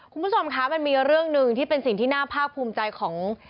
คุณผู้ชมคะมันมีเรื่องหนึ่งที่เป็นสิ่งที่น่าภาคภูมิใจของ